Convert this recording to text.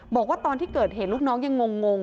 บอกที่เกิดเห็นลูกน้องยังงงง